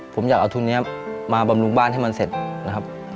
ผมอยากเอาทุนนี้มาบำรุงบ้านให้มันเสร็จนะครับ